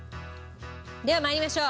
では参りましょう。